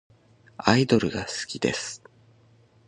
アイドルが好きです。